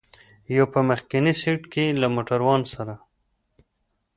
یو په مخکني سېټ کې له موټروان سره.